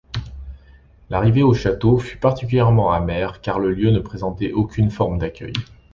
L’arrivée au château fut particulièrement amère car le lieu ne présentait aucune forme d’accueil.